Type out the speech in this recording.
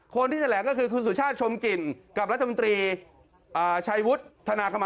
คนที่แถลงก็คือคุณสุชาติชมกลิ่นกับรัฐมนตรีชัยวุฒิธนาคม